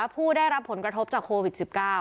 ผู้ได้รับผลกระทบจากโควิด๑๙